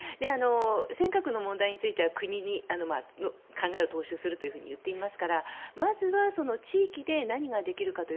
尖閣の問題については国の考えを踏襲すると言っていますからまずは地域で何ができるか。